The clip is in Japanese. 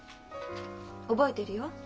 覚えてるよ。